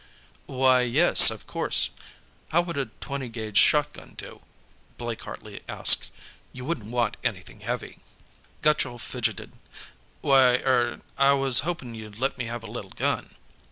"Why, yes; of course. How would a 20 gauge shotgun do?" Blake Hartley asked. "You wouldn't want anything heavy." Gutchall fidgeted. "Why, er, I was hoping you'd let me have a little gun."